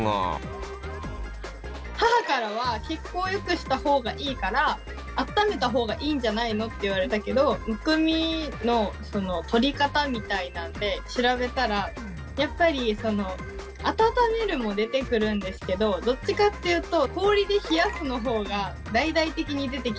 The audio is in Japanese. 母からは「血行を良くしたほうがいいからあっためたほうがいいんじゃないの」って言われたけどむくみの取り方みたいなので調べたらやっぱり「温める」も出てくるんですけどどっちかっていうと氷で「冷やす」のほうが大々的に出てきてたんですよ。